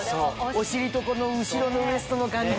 お尻とこの後ろのウエストの感じ。